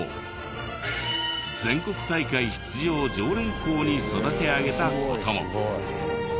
全国大会出場常連校に育て上げた事も。